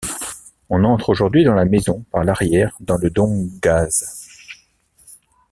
On entre aujourd'hui dans la maison par l'arrière dans le Domgasse.